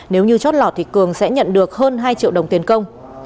nếu như chót lọt thì cường sẽ nhận được hơn hai triệu đồng tiền công